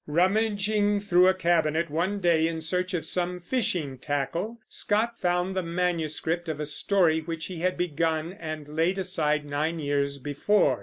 Rummaging through a cabinet one day in search of some fishing tackle, Scott found the manuscript of a story which he had begun and laid aside nine years before.